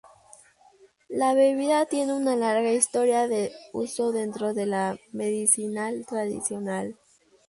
La bebida tiene una larga historia de uso dentro de la medicinal tradicional.